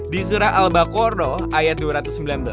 di zurah al bakorno ayat dua ratus sembilan belas